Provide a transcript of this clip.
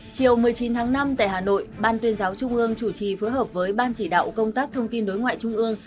chiều một mươi chín tháng năm tại hà nội ban tuyên giáo trung ương chủ trì phối hợp với ban chỉ đạo công tác thông tin đối ngoại trung ương